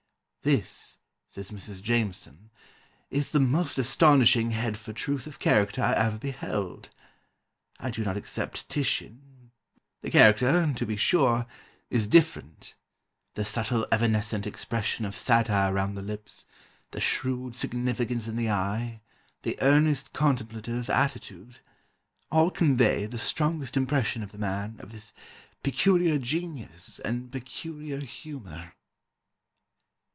'This,' says Mrs. Jameson, 'is the most astonishing head for truth of character I ever beheld; I do not except Titian; the character, to be sure, is different: the subtle evanescent expression of satire round the lips, the shrewd significance in the eye, the earnest contemplative attitude, all convey the strongest impression of the man, of his peculiar genius, and peculiar humour.